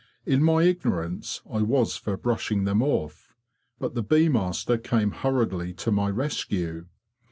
In my ignorance I was for brushing them off, but the bee master came hurriedly to my rescue.